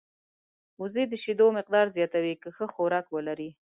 وزې د شیدو مقدار زیاتوي که ښه خوراک ولري